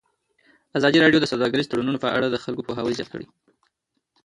ازادي راډیو د سوداګریز تړونونه په اړه د خلکو پوهاوی زیات کړی.